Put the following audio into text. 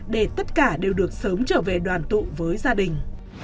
để tất cả đều được sớm trở về đoàn tụ với gia đình